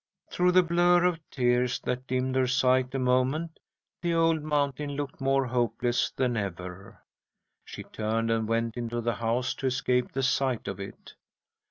Through the blur of tears that dimmed her sight a moment, the old mountain looked more hopeless than ever. She turned and went into the house to escape the sight of it.